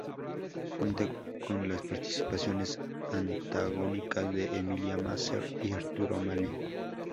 Cuenta con las participaciones antagónicas de Emilia Mazer y Arturo Maly.